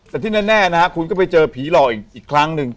แต่ที่แน่นะฮะคุณก็ไปเจอผีหลอกอีกครั้งหนึ่ง